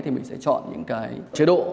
thì mình sẽ chọn những cái chế độ